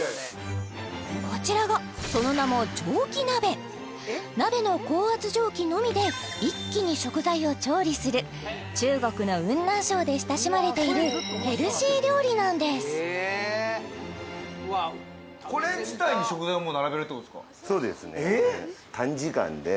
こちらがその名も蒸気鍋鍋の高圧蒸気のみで一気に食材を調理する中国の雲南省で親しまれているヘルシー料理なんですええっ？